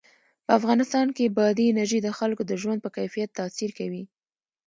په افغانستان کې بادي انرژي د خلکو د ژوند په کیفیت تاثیر کوي.